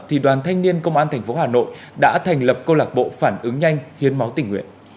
thì đoàn thanh niên công an tp hà nội đã thành lập câu lạc bộ phản ứng nhanh hiến máu tỉnh nguyện